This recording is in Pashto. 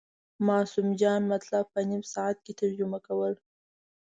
معصوم جان مطلب په نیم ساعت کې ترجمه کول.